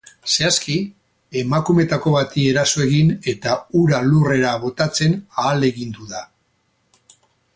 Zehazki, emakumeetako bati eraso egin eta hura lurrera botatzen ahalegindu da.